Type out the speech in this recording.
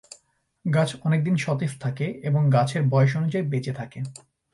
গাছ অনেকদিন সতেজ থাকে এবং গাছের বয়স অনুযায়ী বেঁচে থাকে।